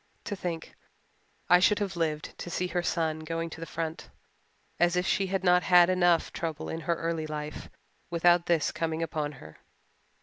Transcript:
To think I should have lived to see her son going to the front. As if she had not had enough trouble in her early life without this coming upon her!